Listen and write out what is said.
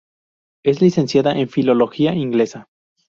Es licenciada en filología inglesa.